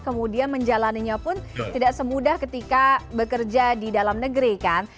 kemudian menjalannya pun tidak semudah ketika bekerja di dalam negeri kan